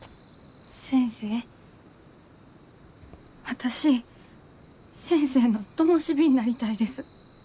私先生のともし火になりたいです。